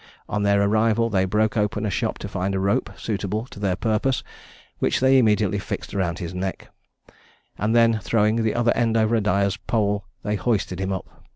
On their arrival they broke open a shop to find a rope suitable to their purpose, which they immediately fixed round his neck; and then, throwing the other end over a dyer's pole, they hoisted him up.